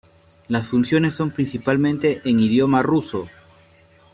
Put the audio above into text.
Las funciones son principalmente en idioma ruso.